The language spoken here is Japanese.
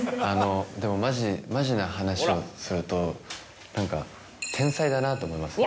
でもマジな話をすると何か天才だなと思いますね。